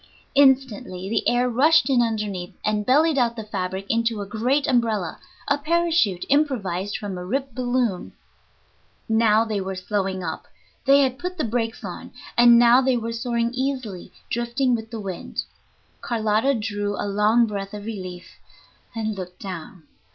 Instantly the air rushed in underneath, and bellied out the fabric into a great umbrella, a parachute improvised from a ripped balloon. Now they were slowing up; they had put the brakes on, and now they were soaring easily, drifting with the wind. Carlotta drew a long breath of relief and looked down.